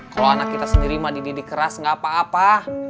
kalau anak kita sendiri mandi didik keras nggak apa apa